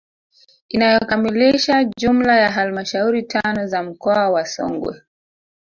Inayokamilisha jumla ya halmashauri tano za mkoa wa Songwe